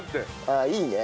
ああいいね。